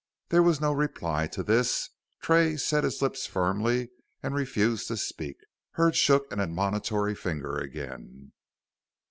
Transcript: There was no reply to this. Tray set his lips firmly and refused to speak. Hurd shook an admonitory finger again.